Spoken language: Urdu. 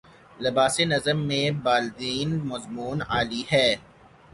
لباسِ نظم میں بالیدنِ مضمونِ عالی ہے